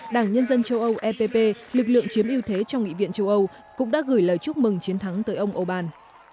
đảng nhân dân châu âu epp lực lượng chiếm yêu thế trong nghị viện châu âu cũng đã gửi lời chúc mừng chiến thắng tới ông orbán